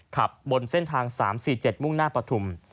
ขับบนเส้นทาง๓๔๗มุ่งหน้าปฐุม